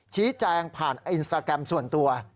ชี้แจงผ่านอินสตาแกรมส่วนตัว